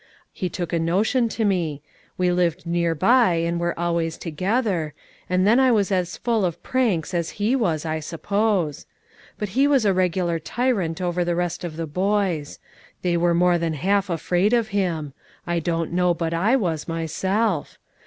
He took a notion to me. We lived near by, and were always together, and then I was as full of pranks as he was, I suppose. But he was a regular tyrant over the rest of the boys; they were more than half afraid of him; I don't know but what I was myself.